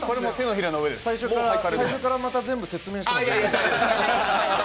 最初からまた全部説明しますか？